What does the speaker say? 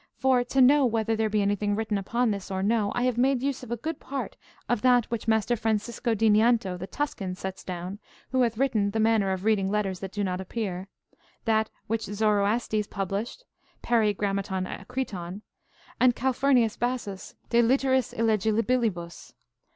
For, to know whether there be anything written upon this or no, I have made use of a good part of that which Master Francisco di Nianto, the Tuscan, sets down, who hath written the manner of reading letters that do not appear; that which Zoroastes published, Peri grammaton acriton; and Calphurnius Bassus, De literis illegibilibus.